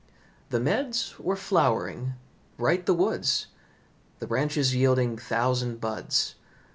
The meads were flowering, bright the woods, The branches yielding thousand buds.